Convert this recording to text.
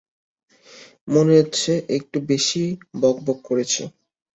মনে হচ্ছে একটু বেশিই বকবক করছি।